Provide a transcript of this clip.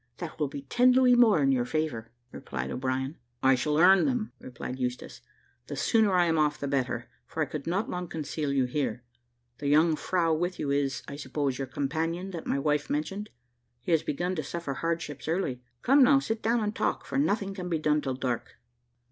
That will be ten louis more in your favour," replied O'Brien. "I shall earn them," replied Eustache: "the sooner I am off the better, for I could not long conceal you here. The young frow with you is, I suppose, your companion that my wife mentioned. He has begun to suffer hardships early. Come, now sit down and talk, for nothing can be done till dark."